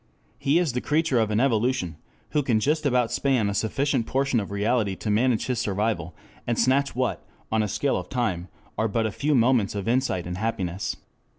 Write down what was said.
He is the creature of an evolution who can just about span a sufficient portion of reality to manage his survival, and snatch what on the scale of time are but a few moments of insight and happiness.